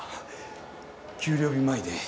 給料日前で。